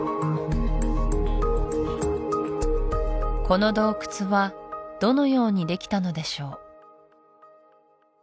この洞窟はどのようにできたのでしょう？